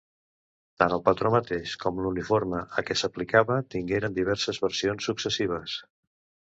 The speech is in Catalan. Tant el patró mateix com l'uniforme a què s'aplicava tingueren diverses versions successives.